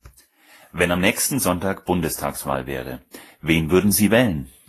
Wenn am nächsten Sonntag Bundestagswahl wäre, wen würden Sie wählen?